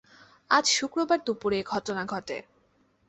আজ শুক্রবার দুপুরে এ ঘটনা ঘটে।